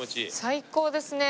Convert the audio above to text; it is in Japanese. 最高ですね。